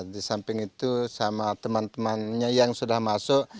di samping itu sama teman temannya yang sudah masuk